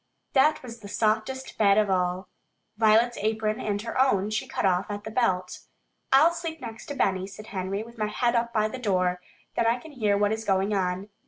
That was the softest bed of all. Violet's apron and her own, she cut off at the belt. "I'll sleep next to Benny," said Henry, "with my head up by the door. Then I can hear what is going on."